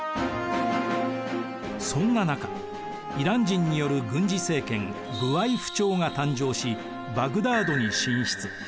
そんな中イラン人による軍事政権ブワイフ朝が誕生しバグダードに進出。